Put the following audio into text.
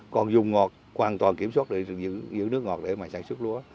còn dùng ngọt hoàn toàn kiểm soát được giữ nước ngọt để mà sản xuất lúa